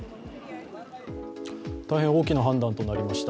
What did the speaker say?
大変大きな判断となりました。